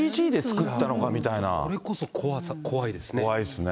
これこそ怖いですね。